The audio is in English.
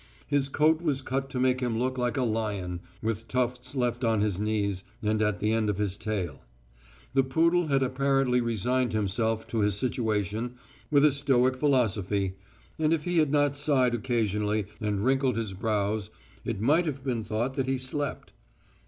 His coat was cut to make him look like a lion, with tufts left on his knees and at the end of his tail. The poodle had apparently resigned himself to his situation with a stoic philosophy, and if he had not sighed occasionally and wrinkled his brows, it might have been thought that he slept.